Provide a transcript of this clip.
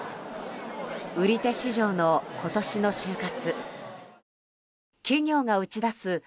売り手市場の今年の就活。